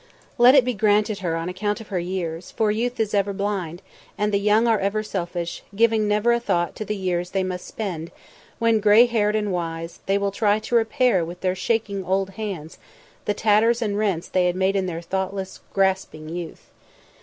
Let it be granted her on account of her years, for youth is ever blind, and the young are ever selfish, giving never a thought to the years they must spend, when, grey haired and wise, they will try to repair with their shaking old hands, the tatters and rents they had made in their thoughtless, grasping youth.